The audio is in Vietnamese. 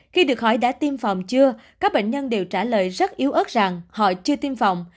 khi được hỏi đã tiêm phòng chưa các bệnh nhân đều trả lời rất yếu ớt rằng họ chưa tiêm phòng